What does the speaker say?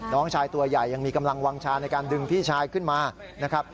น้องชายตัวใหญ่ยังมีกำลังวางชาในการดึงพี่ชายขึ้นมานะครับ